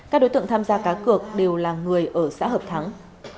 các đối tượng tham gia cá cược đều là người ở xã hợp thắng